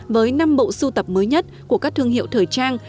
với năm bộ sưu tập mới nhất của các thương hiệu thời trang